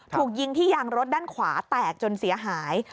ถูกยิงที่ยางรถด้านขวาแตกจนเสียหาย